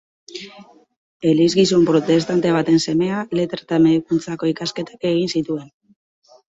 Elizgizon protestante baten semea, Letra eta Medikuntzako ikasketak egin zituen.